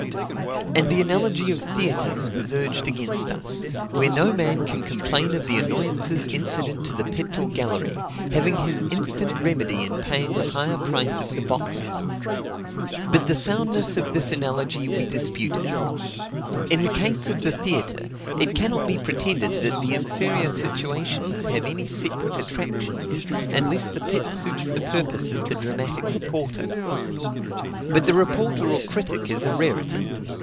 And the analogy of theatres was urged against us, where no man can complain of the annoyances incident to the pit or gallery, having his instant remedy in paying the higher price of the boxes. But the soundness of this analogy we disputed. In the case of the theatre, it cannot be pretended that the inferior situations have any separate attractions, unless the pit suits the purpose of the dramatic reporter. But the reporter or critic is a rarity.